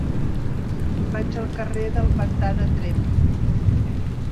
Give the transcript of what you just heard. Vaig al carrer del Pantà de Tremp.